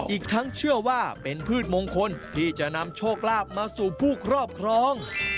อีกทั้งเชื่อว่าเป็นพืชมงคลที่จะนำโชคลาภมาสู่ผู้ครอบครอง